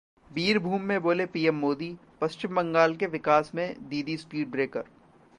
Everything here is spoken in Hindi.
बीरभूम में बोले पीएम मोदी, पश्चिम बंगाल के विकास में 'दीदी' स्पीड ब्रेकर